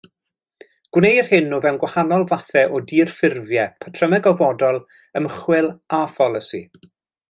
Gwneir hyn o fewn gwahanol fathau o dirffurfiau, patrymau gofodol, ymchwil a pholisi.